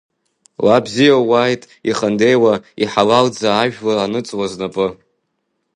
Уа, бзиа ууааит, ихандеиуа, иҳалалӡа ажәла аныҵуа знапы!